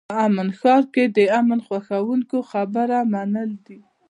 په امن ښار کې د امن خوښوونکو خبره منل دي.